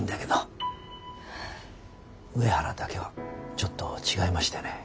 上原だけはちょっと違いましてね。